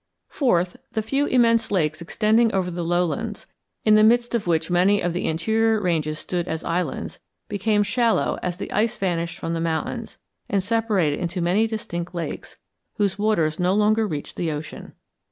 Fourth, the few immense lakes extending over the lowlands, in the midst of which many of the interior ranges stood as islands, became shallow as the ice vanished from the mountains, and separated into many distinct lakes, whose waters no longer reached the ocean.